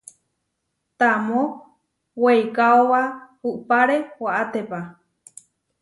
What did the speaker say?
Tamó weikaóba upáre waʼátepa.